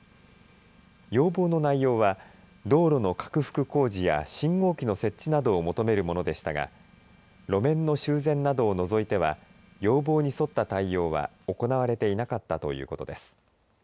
要望の内容は道路の拡幅工事や信号機の設置などを求めるものでしたが路面の修繕などを除いては要望に沿った対応は行われていなかったということです。